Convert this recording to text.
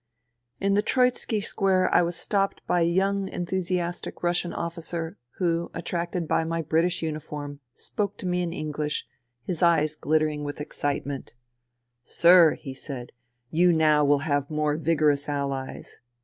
THE REVOLUTION 87 In the Troitski Square I was stopped by a young enthusiastic Russian officer who, attracted by my British uniform, spoke to me in Enghsh, his eyes glittering with excitement. " Sir," he said, " you now will have more vigorous Allies."